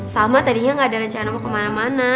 salma tadinya gak ada rencana mau kemana mana